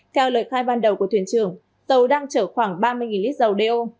theo lời khai ban đầu của thuyền trưởng tàu đang chở khoảng ba mươi lít dầu đeo